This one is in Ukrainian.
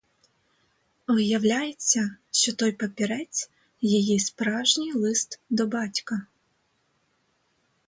Виявляється, що той папірець — її справжній лист до батька.